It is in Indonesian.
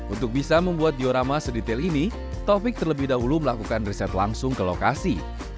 untuk bisa membuat diorama sedetail ini taufik terlebih dahulu melakukan riset langsung ke lokasi